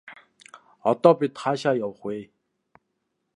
Одоо бид хаашаа явах вэ?